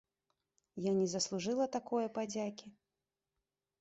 Я не заслужыла такое падзякі.